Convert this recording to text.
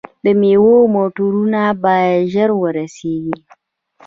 د میوو موټرونه باید ژر ورسیږي.